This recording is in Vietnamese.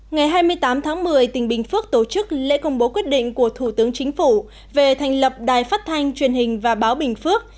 ngày hai mươi tám tháng một mươi tỉnh bình phước tổ chức lễ công bố quyết định của thủ tướng chính phủ về thành lập đài phát thanh truyền hình và báo bình phước